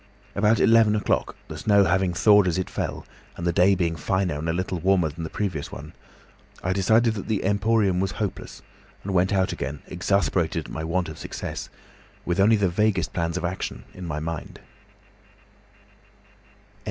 About eleven o'clock, the snow having thawed as it fell, and the day being finer and a little warmer than the previous one, I decided that the Emporium was hopeless, and went out again, exasperated at my want of success, with only the vaguest plans of action in my mind."